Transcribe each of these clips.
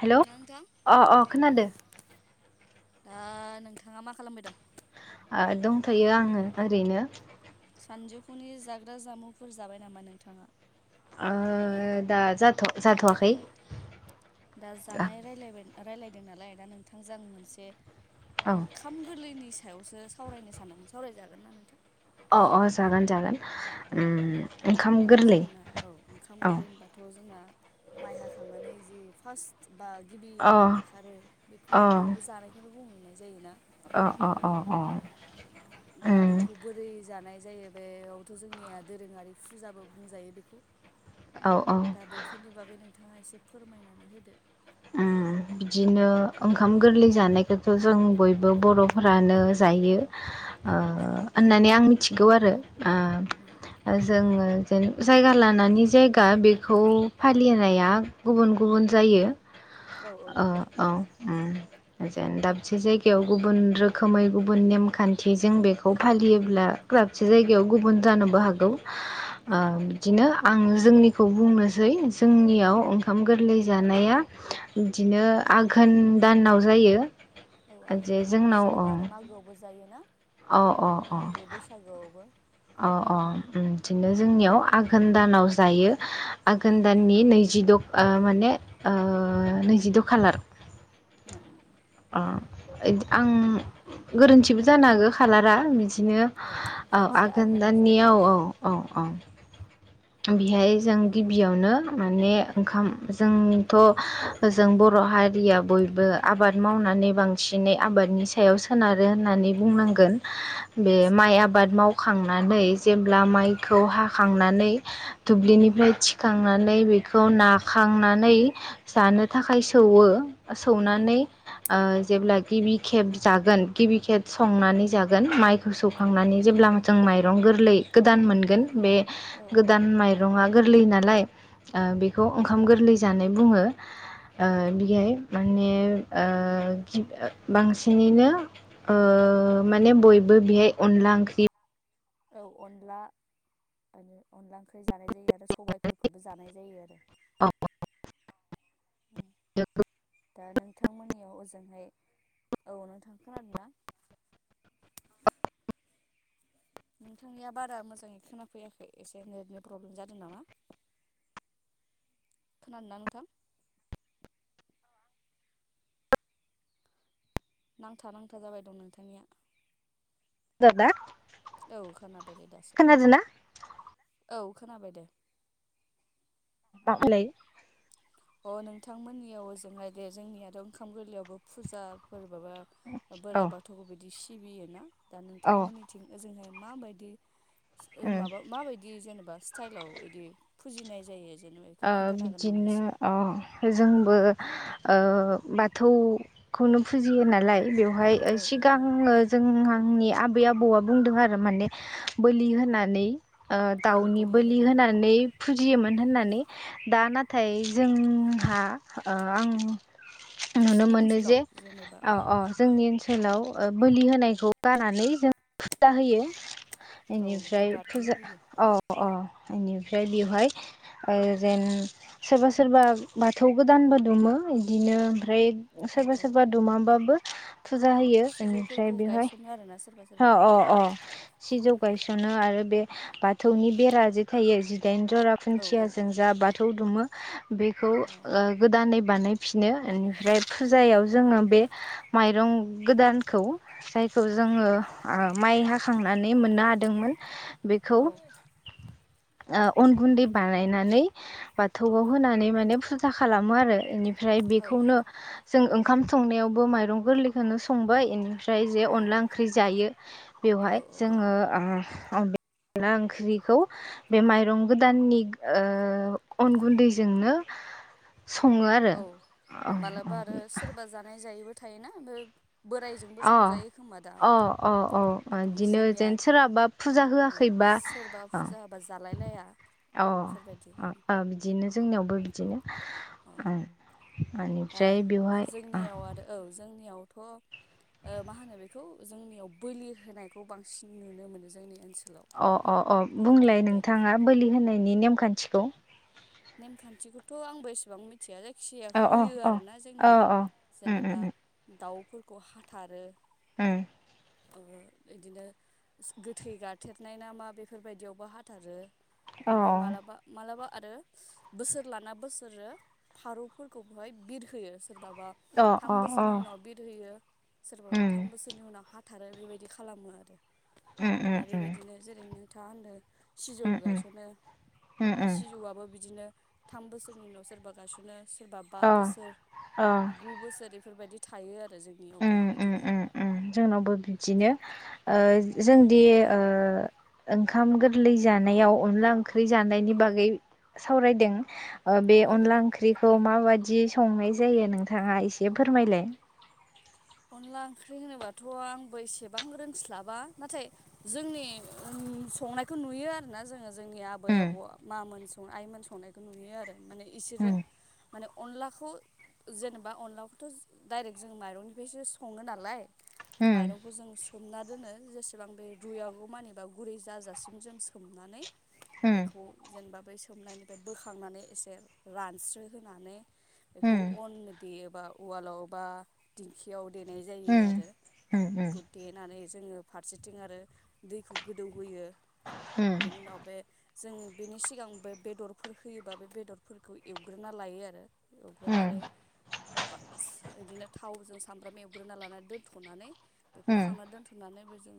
हेल' नोंथां अ अ खोनादों। ओ नोंथाङा मा खालामबाय दं? ओ दंथयो आं ओरैनो। सानजौफुनि जाग्रा जामुंफोर जाबाय नामा नोंथाङा? ओ दा जाथ' जाथ'वाखै। दा जानाय रायलायबाय रायलायदों नालाय दा नोंथांजों आं मोनसे औ ओंखाम गोरलैनि सायावसो सावरायनो सानदोंमोन सावराय जागोन ना नोंथां? अ अ जागोन जागोन उम ओंखाम दा गोरलै जोंना, औ ओंखाम औ गोरलै होनबाथ' जोंना माइ हाखांनानै जि फास्र्ट बा गिबि अ माइ ओंखारो बेखौ अ बेखौ जानायखौनो बुंनाय जायोना? अ अ अ अ। दा उम बेखौ बोरै जानाय जायो बेयावथ' जोंनिया दोरोङारि फुजाबो बुंजायो बेखौ औ औ दा बेफोरनि बागै नोंथाङा एसे फोरमायनानै होदो। उम। बिदिनो ओंखाम गोरलै जानायखौथ' जों बयबो बर'फ्रानो जायो। औ ओ जायो होननानै आं मिथिगौ आरो उम ओ जोङो बिदिनो जायगा लानानै जायगा बेखौ फालिनाया गुबुन गुबुन जायो। औ औ ओ गुबुन गुबुन औ जायो उम। जेन दाबसे जायगायाव गुबुन रोखोमै गुबुन नेमखान्थिजों बेखौ फालियोब्ला दाबसे जायगायाव गुबुन जानोबो हागौ। ओ औ बिदिनो आङो जोंनिखौ बुंनोसै औ जोंनियाव दे ओंखाम गोरलै जानाया बिदिनो आघोन दानाव जायो। औ जे आघोनाव जोंनाव सोरबा आरो अ मागोआवबो जायोना? अ अ मागो बैसागोआवबो अ अ उम बिदिनो जोंनियाव आ घोन दानाव जायो आघोन दाननि नैजिद' ओ माने नैजि द' खालार ओ उम आं गोरोन्थिबो जानो हागौ खालारा बिदि बिदिनो औ औ जायखिजाया आघोन आघोनाव दानानि जायो औ आरोना औ औ औ [inaudible] बेहाय जों गिबियावनो माने ओंखाम जोंथ' ओजों बर' हारिया बयबो आबाद मावनानै बांसिनै आबादनि सायाव सोनारो। होननानै औ बुंनांगोन औ बे माइ सोनारो आबाद माव खांनानै जेब्ला माइखौ हांखांनानै दुब्लिनिफ्राय थिग हाखांनानै बेखौ नाखांनानै जानो थाखाय सौवो। औ सौनानै ओ जेब्ला गिबि खेब जागोन गिबि खेब संनानै जागोन माइखौ सौखांनानै जेब्ला माइरं गोरलै गोदान मोनगोन बे औ गोदान माइरङा गोरलै नालाय ओ बेखौ ओंखाम गोरलै जानाय बुङो। ओ बियाय माने ओ गि ओ बांसिनैनो ओ ओ माने बयबो बेहाय अनला ओंख्रि औ अनला आरो अनला ओंख्रि जानाय जायो आरो सबायफोरखौबो जानाय जायो आरो खोनादोंना दा नोंथांमोननियाव ओजो हाय औ नोंथां खोनादों ना? नोंथांनिया बारा मोजाङै खोनाफैयाखै एसे नेटनि प्रब्लेम जादों नामा? खोनादों ना नोंथां नांथा नांथा जाबाय दं नोंथांनिया [unintelligible] औ खोनाबाय दे दासो खोनादोंना औ खोनाबाय दे [unintelligible] अ नोंथांमोननियाव ओजोंहाय दे जोंनियाथ' ओंखाम गोरलैयावबो फुजाफोर बाबा औ बोराइ बाथौखौ बिदि सिबियोना दा औ ओ नोंथांमोननिथिं ओजोंहाय मा माबायदि सो ओ माबायदि जेनेबा इसतायेलआव इदि फुजिनाय जायो? जेनेबा बेखौ ओ खोन्थानो हागोन नामा बिदिनो एसे अ जोंबो ओ बाथौखौनो फुजियो नालाय बेवहाय औ औ औ सिगाङो जोंनि आ बै आबौआ बुंदों आरो माने बोलि होनानै ओ दाउनि बोलि होनानै फुजियोमोन होननानै दा नाथाय जोंहा ओ आं नुनो नोंसिनि मोनो ओनसोलाव जे जेनेबा औ औ जोंनि ओनसोलाव ओ बोलि होनायखौ बानानै जों फुजा होयो। औ एनिफ्राय बिबारनि फुजा होयो औ औ बेनिफ्राय बेवहाय। ओ जेन सोरबा सोरबा बाथौ गोदानबो दुमो बिदिनो ओमफ्राय औ सोरबा औ सोरबा दुमाबाबो फुजा होयो बेनिफ्राय सिजौफोरखौ बेवहाय गायसनो आरोना सोरबा हा सोरबा अ अ सिजौ बायसनाङा आरो बे बाथौनि बेरा जे थायो जिदाइन' जरा औ औ खुन्थियाजो जों जा बाथौ दुमो बेखौ औ ओ गोदानै बानाय फि नो एनिफ्राय फुजायाव जोङो बे माइरं गोदानखौ जायखौ जोङो ओ माइ हाखांनानै मोननो हादोंमोन बेखौ औ ओ अन गुन्दै बानायनानै बाथौआव होनानै माने फुजा खालामो आरो बेनि ओमफ्राय औ बेखौनो खालाम जों ओंखाम संनायावबो माइरं गोरलैखौनो संबाय इनिफ्राय। दायो जे औ अनला ओंख्रि जायो बेवहाय औ औ बे जोङो ओ। बे अनला ओंख्रिखौ बे माइरं गोदाननि। ओ अन गुन्दैजोंनो। सङो आरो औ औ मालाबा आरो सोरबा जानाय जायैबो थायोना ओब अ अ अ अ अ इदिनो जोंनिया जेन सोरहाबा फुजा औ होआखै। सोरबा फुजा होबा जालाय लाया। अ बेफोरबायदि अ आ बिदिनो जोंनियावबो बिदिनो उम। आ जोंनियाव आरो औ जोंनियाव थ' ओ मा होनो बेखौ जोंनियाव बोलि होनायखौ बांसिन नुनो मोनो जोंनि ओनसो अ अ अ बुंलाय नोंथाङा बोलि होनायनि नेमखान्थिखौ। नेमखान्थिखौथ' आंबो एसेबां मि थिया जायखि जाया अ अ होयो अ आरोना अ जोंनिया अ उम जेनेबा उम उम दाउ फोरखौ हाथारो। उम। ओ इदिनो गोथै गारथेरनाय ना मा बेफोरबायदियावबो हाथारो। अ ओमफाय मालाबा मालाबा आरो बोसोर लाना बोसोरो फारौ फोरखौबोहाय बिरहोयो। सोरबाबा थाम उम बोसोरनि उम उम उनाव बिर होयो उम सोरबाबा थाम बोसोरनि उनाव हा थारो बेबायदि खालामो आरो उम उम दा बेबायदिनो जेरै नोंथाङा होनदो। सिजौ गायस'नो दा सिजौआबो बि दिनो थाम बोसोरनि उनाव सोरबा गायसनो। सोरबा बा अ बोसोर अ गु बोसोर इफोरबायदि थायो आरो। जोंनियावबो उम उम इदिनो उम उम जोंनावबो बिदिनो ओ जोंदि ओ ओंखाम गोरलै जानायाव अनला ओंख्रि जानायनि बागै सावरायदों। ओ बे औ औ औ अनला ओंख्रिखौ माबाय दि संनाय जायो नोंथाङा एसे फोरमायलाय। अनला ओंख्रि होनोबाथ' आंबो एसेबां रोंस्लाबा नाथाय जोंनि संनायखौ नुयो आरोना जोङो जोंनि आबै उम आबौ मा मोन स-आइमोन संनायखौ नुयो आरो माने इसोरो उम माने अनलाखौ जेनेबा अनलाखौथ' दायरेक जों माइरंनि फ्रायसो सङो नालाय ओ माइरंखौ जों सोमना दोनो जेसेबां बे रुइआगौ मानि बा गुरै जाजासिम जों सोमनानै बिदिनो बेखौ जेनेबा बै सोमनायनिफ्राय बोखांनानै एसे रानस्रो होनानै बेखौ अन देयोबा उवालाव बा दिंखियाव देनाय जायो आरो। खौ देनानै जोङो फारसेथिं आरो दैखौ गोदौहोयो। बेनि उनाव बे जों बेनि सिगां बे बेदरफोर होयोबा बे बेदरफोरखौ एवग्रोना ला यो आरो एवग्रोनानै बास-इदिनो थावजों सामब्राम एवग्रोना लानानै दोन्थ'नानै बेखौ खांनानै दोन्थ'नानै बेजों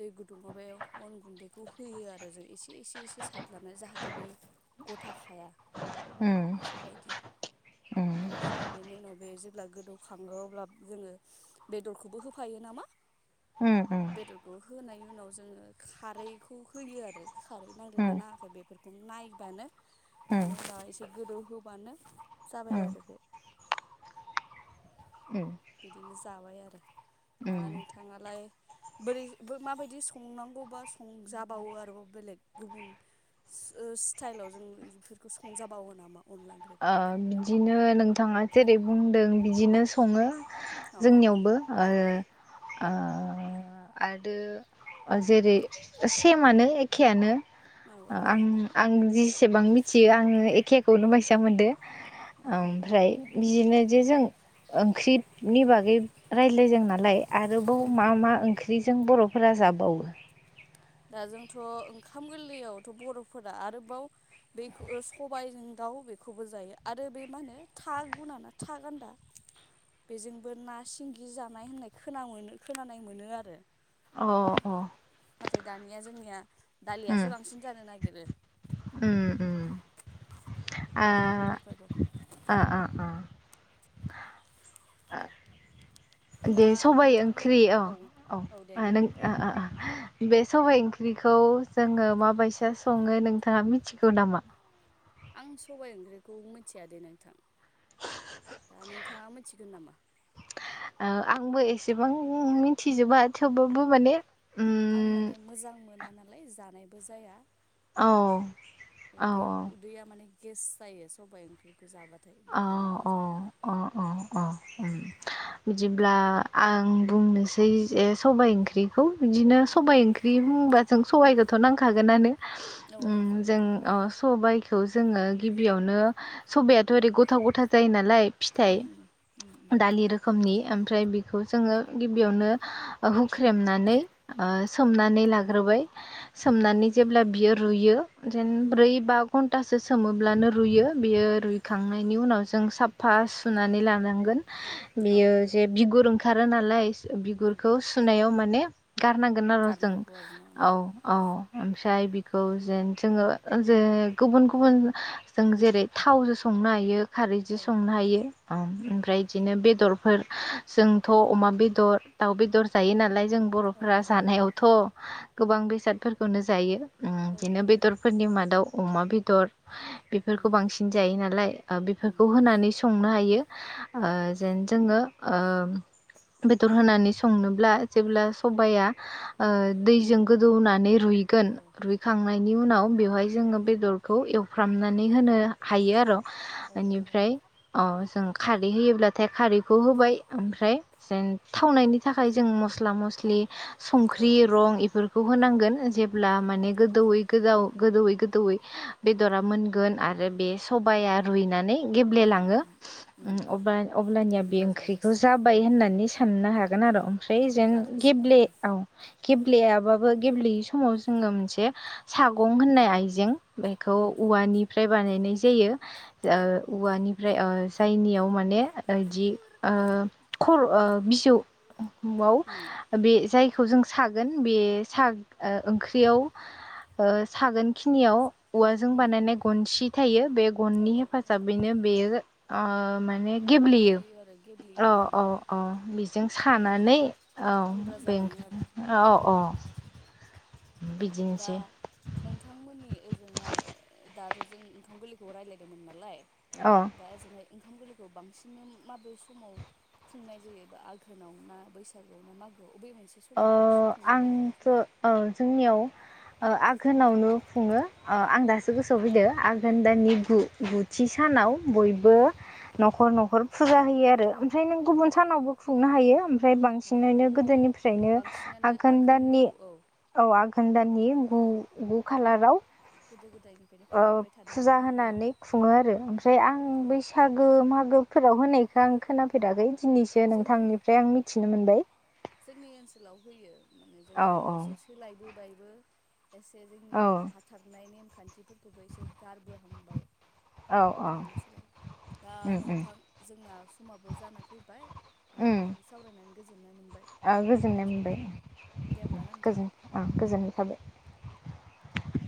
दै गुदुं माबायाव अन गुन्दैखौ होयो आरो जों एसे एसे एसे सार्लानानै जाहाथे बे गथाखाया। बेफोरबायदि इनिफ्राय बेनि उनाव बे जेब्ला गोदौ खाङो अब्ला जोङो बेदरखौबो होफायो नामा। उम उम। बेदरखौ होनायनि उनाव जोङो खारैखौ होयो आरो खारै नांदोना नाङाखै बेफोरखौनो नायबानो बेनि उनाव एसे गोदौ होबानो जाबाय आरो बे बिदिनो जाबाय आरो दा नोंथाङालाय बोरैबो माबायदि संनांगौबा संजाबावो आरोबाव बेलेग गुबुन ओ स्टाइलाव जों इफोरखौ संजाबावो नामा? अनला ओंख्रिखौ ओ बिदिनो नोंथाङा जेरै बुंदों बिदिनो सङो। अ अ जोंनियावबो ओ आ आरो जेरै सेमानो एखेआनो अ औ आं एखेयानो ना आं जेसेबां मिथियो आङो एखेखौनो बायसा मोनदो औ ओमफ्राय बिदिनो जे जों ओंख्रिनि बागै रायज्लाय जों नालाय आरोबाव मा मा ओंख्रिजों बर'फो रा जाबावो? दा जोंथ' ओंखाम गोरलैयावथ' बर'फोरा आरोबाव [unintelligible] खौ सबायजों दा व बेखौबो जायो आरो बे मा होनो था गुना ना था गान्दा बेजोंबो ना सिंगि जानाय होननाय खोना मोनो खोनानाय मोनो आरो। अ अ नाथाय दानिया जोंनिया दालियासो उम बांसिन जानो नागिरो। उम उम आ ओंखाम गोरलैबाबो ओ ओ दा दे सबायाइ नोंथांमोन ओंख्रि औ औ दे मानो नोंथां बुंनाय ओ ओ बे सबायाइ ओंख्रिखौ जोङो माबायदि सङो नोंथाङा मिथिगौ नामा? आं सबाय ओंख्रिखौ मिथियादै नोंथां। दा नोंथाङा मिथिगोन नामा? ओ आंबो एसेबां मिथिजोबा थेवबो माने आं उम माने मोजां मोना नालाय जानायबो जाया। औ, औ उदै औ उदैया माने गेस जायो सबाइ ओंख्रिखौ जाबाथाय औ बेखायनो औ मोजां मोना। अ अ अ उम बिदिब्ला आं बुंनोसै जे सबायाइ ओंख्रि खौ बिदिनो सबबाय ओंख्रि बुङोब्ला जों सबाइखौथ' नांखागोनानो औ ओम नांखागोन जों औ अ सबाइखौ जोङो गिबियावनो सबाइया थ' जेरै गथाव गथा जायो नालाय फिथाइ उम उम दालि रोखोमनि ओमफ्राय बेखौ जोङो गिबियावनो ओ हु ख्रेमनानै ओ औ सोमनानै लाग्रोबाय उम सोमनानै जेब्ला बियो रुयो जेन ब्रै उम बा घन्टासो सोमोब्लानो रुइयो बेयो रुइ खांनायनि उनाव जों साफा सुनानै लानांगोन औ बेयो जे बिगुर ओंख रोनालाय नालाय उम बिगुरखौ सुनायाव माने गारनांगोन आरो' जों गारनांगौ आरोना औ औ। ओमफ्राय बिखौ जेन जोङो जे गुबुन गुबुन जों जेरै थावजो संनो हायो खारै जि संनो हायो औ ओमफ्राय बिदिनो बेदर फोर जोंथ' अमा बेदर दाउ बेदर जायो नालाय जों औ बर'फोरा जायो जानायावथ' गोबां बेसादफोरखौनो जायो। ओम औ बिदिनो जायो बेदरफोरनि मादाव अमा बेदर उम बेफोरखौ बांसिन जायो ना ओ उम बेफोरखौ होनानै संनो हायो ओ उम जेन जोङो ओ बेदर होनानै संनोब्ला जेब्ला सबाया ओ दैजों गोदौनानै रुइगोन औ रुइखांनाय नि उनाव बेवहाय जोङो बेदरखौ एवफ्रामनानै होनो हायो आर'। औ औ इनिफ्राय अ जों खारै होयोब्लाथाय खारैखौ होबाय ओमफ्राय जेन थावनायनि थाखाय जों मस्ला मस स्लि औ संख्रि रं बेफोरखौ होनांगोन जेब्ला औ माने हालदैफोर गोदौयै गोजाव गोदौवै गोदौवयै बेदरा मोनगोन आरो बे सबाया रुइनानै उम गेब्लेलाङो उम उम अब्लानिया बे अब्ला ओंख्रिखौ जाजासि जाबाय औ होननानै साननो हागोन। आर' ओमफ्राय औ जेन जाजासिगोन गेबे आरो [unintelligible] ब्लेयाबाबो गेब्लेयै समाव जोङो मोनसे सागं होननाय आइजें बेखौ उम औवानिफ्राय बानायनाय जायो। ओ औ औ उम औवानिफ्राय जायनियाव मान ने इदि ओ खर अ बिजौ वाव उम [unintelligible] जों सागोन बे सा- ओ ओंख्रि सागोन। खिनियाव औवाजों उम बानायनाय गनसि थायो बे औ गननि औ औ हेफाजाबैनो बेयो ओ मा ने गेब्लेयो रुयो आरो अ गेब्लेयो अ रुइलां अ उम बेजों सानानै गेब्लेलाङो औ गुन्द्रा बे जालाङो आरो अ अ [inaudible] दा नोंथांमोननि ओजोंहाय दाथ' जों ओंखाम गोरलैखौ रायज्लायदोंमोन नालाय औ दा जोङो ओंखाम गोरलैखौ बांसिननो माबे समाव खुंनाय जायो आघोनाव ना बैसागोआव ना मागोआव [inaudible] ओ समाव बांसिन खुंनाय जायो आंथ' नोंसोर ओ जोंनियाव ओ आघोनावनो खुङो आं दासो गोसोआव फैदो आघोन दानिनि गु गु थि सानाव बयबो औ न'खर न'खर फुजा होयो आरो ओमफ्राय नों औ गुबुन सानावबो खुंनो हायो ओमफ्राय औ बांसिनैनो गोदोनिफ्रायनो बांसिनानो आघोन दाननि आघोनखौ औ औ आघोन दाननि उम गु खालाराव गोदो गोदाय औ फुजा होनानै खुङो आरो जों ओमफ्राय आं बैसागो मा फोराव होनायखौ आं खोनाफेराखै दिनैसो नोंथांनिफ्राय आं मिथिनो मोनबाय जोंनि ओनसोलाव होयो माने औ जोंनियाव औ एसे सोलायबोबायबो एसे औ जोंनिया हाथारनाय नेमखान्थिफोरखौबो एसे गारबोहांबाय औ औ बिदिनो सोलायबाय दा उम उम नोंथां जोंना समाबो जाना फैबाय दा उम नोंथांजों सावरायनानै गोजोननाय मोनबाय ओ गोजोननाय दोनथ'लायनोसै होमबा दे मोनबाय होमबा ना नोंथां गोजोन अ गोजोन्नाय थाबाय